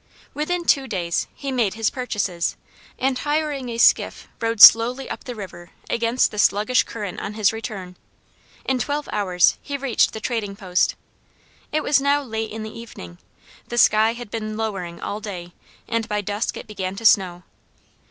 Within two days he made his purchases, and hiring a skiff rowed slowly up the river against the sluggish current on his return. In twelve hours he reached the trading post. It was now late in the evening. The sky had been lowering all day, and by dusk it began to snow.